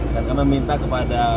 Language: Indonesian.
dan kami minta kepada